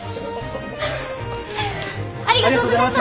ありがとうございます！